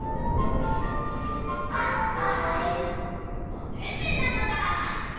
おせんべいなのだ！